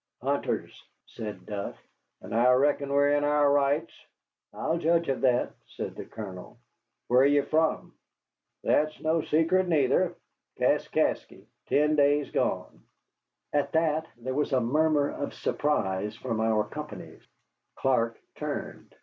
"Hunters," said Duff; "and I reckon we're in our rights." "I'll judge of that," said our Colonel. "Where are you from?" "That's no secret, neither. Kaskasky, ten days gone." At that there was a murmur of surprise from our companies. Clark turned.